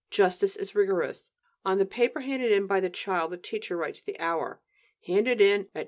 Justice is rigorous. On the paper handed in by the child the teacher writes the hour: handed in at 10.